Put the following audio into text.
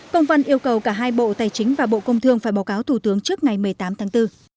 công văn yêu cầu cả hai bộ tài chính và bộ công thương phải báo cáo thủ tướng trước ngày một mươi tám tháng bốn